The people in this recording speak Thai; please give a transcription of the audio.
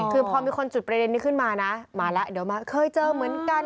คือพอมีคนจุดประเด็นนี้ขึ้นมานะมาแล้วเดี๋ยวมาเคยเจอเหมือนกัน